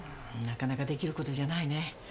なかなかできる事じゃないね。